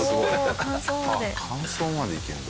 乾燥までいけるのか。